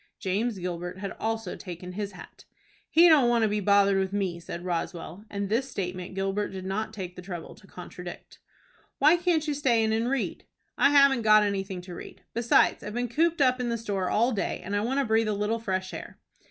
James Gilbert had also taken his hat. "He don't want to be bothered with me," said Roswell, and this statement Gilbert did not take the trouble to contradict. "Why can't you stay in and read?" "I haven't got anything to read. Besides I've been cooped up in the store all day, and I want to breathe a little fresh air."